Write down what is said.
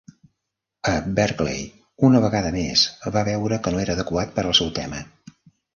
A Berkeley, una vegada més va veure que no era adequat per al seu tema.